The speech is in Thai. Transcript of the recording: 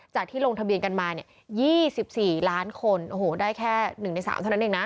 ที่ลงทะเบียนกันมาเนี่ย๒๔ล้านคนโอ้โหได้แค่๑ใน๓เท่านั้นเองนะ